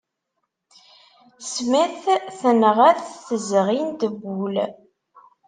Smith tenɣa-t tezɣint n wul.